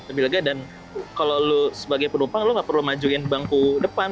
lebih lega dan kalau lo sebagai penumpang lo gak perlu majuin bangku depan